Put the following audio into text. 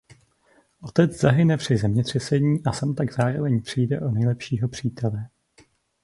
Otec zahyne při zemětřesení a Sam tak zároveň přijde o nejlepšího přítele.